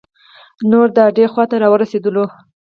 نور د اډې خواته را ورسیدلو.